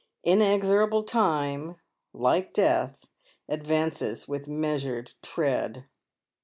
Inexorable time, like death, advances with measured tread.